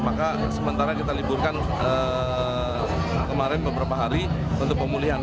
maka sementara kita liburkan kemarin beberapa hari untuk pemulihan